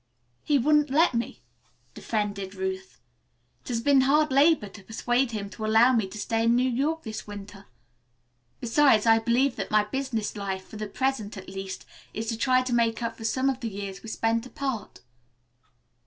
"He wouldn't let me," defended Ruth. "It has been hard labor to persuade him to allow me to stay in New York this winter. Besides I believe that my business of life, for the present, at least, is to try to make up for some of the years we spent apart."